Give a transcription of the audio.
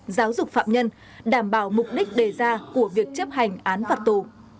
giáo dục phạm nhân đảm bảo mục đích đề ra của việc chấp hành án phạt tù